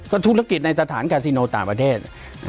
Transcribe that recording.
ธุรกิจในสถานกาซิโนต่างประเทศ